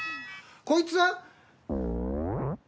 こいつは。